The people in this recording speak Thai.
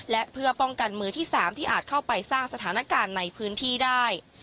และเพื่อป้องกันมือที่๓ที่อาจเข้าไปสร้างสถานการณ์ในพื้นที่ได้